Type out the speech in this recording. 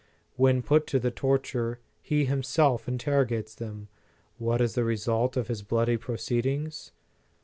When put to the torture, he himself interro gates them. What is the result of his bloody proceedings?